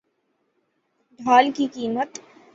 ڈھال کی قیمت